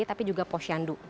tapi juga posyandu